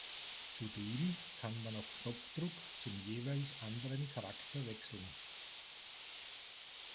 Zudem kann man auf Knopfdruck zum jeweils anderen Charakter wechseln.